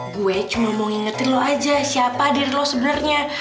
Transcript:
gue cuma mau ngingetin lo aja siapa dear lo sebenarnya